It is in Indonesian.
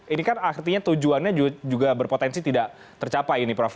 ini kan artinya tujuannya juga berpotensi tidak tercapai ini prof